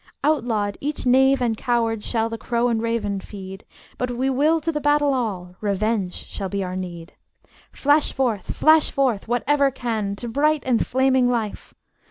Outlawed, each knave and coward shall The crow and raven feed; But we will to the battle all Revenge shall be our meed. Flash forth, flash forth, whatever can, To bright and flaming life!